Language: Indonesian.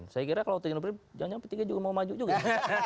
saya kira kalau sepuluh lima belas jangan jangan petiga juga mau maju juga ya